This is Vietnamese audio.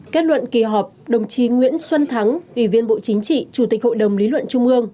kết luận kỳ họp đồng chí nguyễn xuân thắng ủy viên bộ chính trị chủ tịch hội đồng lý luận trung ương